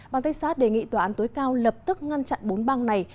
bang texas đề nghị tòa án tối cao lập tức ngăn chặn bốn bang này